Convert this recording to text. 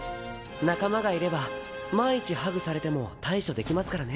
仲間がいれば万一ハグされても対処できますからね。